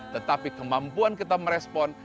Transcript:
tetapi kemampuan kita merespon